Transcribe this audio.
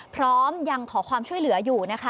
พร้อมยังขอความช่วยเหลืออยู่นะคะ